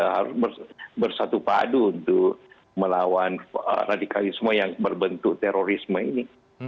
harus bersatu padu untuk melawan radikalisme yang berbentuk terorisme ini